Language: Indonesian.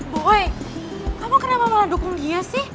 boy kamu kenapa malah dukung dia sih